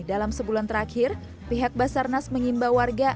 dalam sebulan terakhir pihak basarnas mengimbau warga